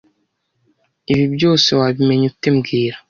Ibi byose wabimenya ute mbwira